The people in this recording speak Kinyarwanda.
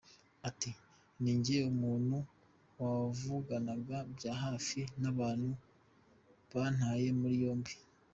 Ati “Ni njye muntu wavuganaga bya hafi n’abantu bantaye muri yombi.